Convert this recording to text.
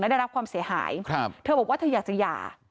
ได้รับความเสียหายครับเธอบอกว่าเธออยากจะหย่า